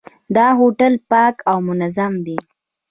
دا هوټل پاک او منظم دی.